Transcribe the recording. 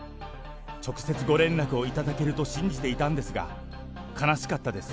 直接ご連絡をいただけると信じていたんですが、悲しかったです。